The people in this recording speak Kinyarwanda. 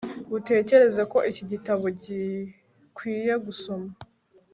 utekereza ko iki gitabo gikwiye gusoma